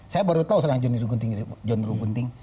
saya baru tahu sekarang john rukinting